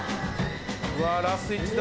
うわラスト１だ。